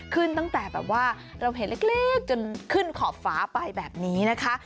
ขึ้นตั้งแต่แบบว่าเราเห็นเล็กจนขึ้นขอบฝาไปแบบนี้นะคะ